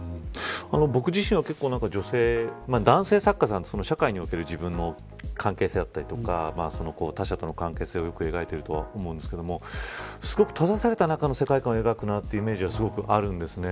僕自身は結構女性男性作家さんは社会における自分の関係性だったりとか他者との関係性をよく描いていると思うんですがすごく閉ざされた中の世界を描くなというイメージはすごくあるんですね。